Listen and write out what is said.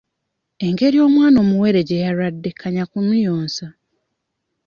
Engeri omwana omuwere gye yalwadde kanya kumuyonsa.